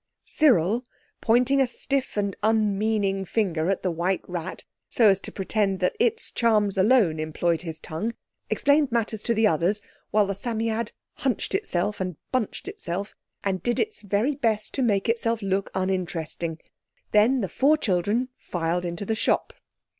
Cyril, pointing a stiff and unmeaning finger at the white rat, so as to pretend that its charms alone employed his tongue, explained matters to the others, while the Psammead hunched itself, and bunched itself, and did its very best to make itself look uninteresting. Then the four children filed into the shop.